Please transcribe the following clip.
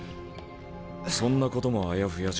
そんなこともあやふやじゃ